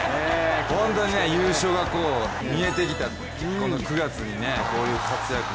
本当に優勝が見えてきたこの９月に、この活躍。